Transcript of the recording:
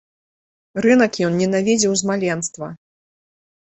Рынак ён ненавідзеў з маленства.